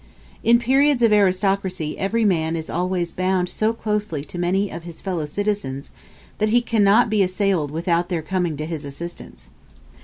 In periods of aristocracy every man is always bound so closely to many of his fellow citizens, that he cannot be assailed without their coming to his assistance.